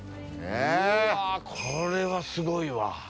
うわこれはすごいわ。